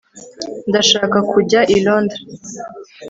ndashaka kujya i londres